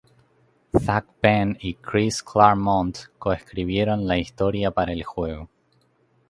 Zak Penn y Chris Claremont co-escribieron la historia para el juego.